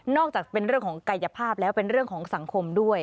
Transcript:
จากเป็นเรื่องของกายภาพแล้วเป็นเรื่องของสังคมด้วย